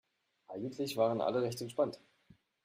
Eigentlich waren alle recht entspannt.